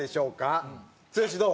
剛どう？